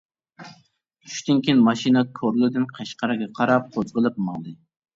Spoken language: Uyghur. چۈشتىن كېيىن، ماشىنا كورلىدىن قەشقەرگە قاراپ قوزغىلىپ ماڭدى.